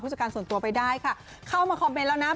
จากการส่วนตัวไปได้ค่ะเข้ามาคอมเมนต์แล้วนะ